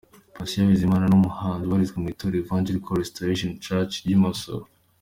Patient Bizimana ni umuhanzi ubarizwa mu itorero Evangelical Restoration church ry’i Masoro.